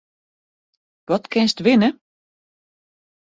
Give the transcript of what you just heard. Wat kinst winne?